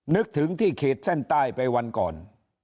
นึกถึงที่ขีดเส้นใต้ไปวันก่อน